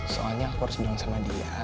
soalnya aku harus bilang sama dia